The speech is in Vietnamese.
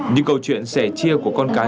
như câu chuyện sẻ chia của con cái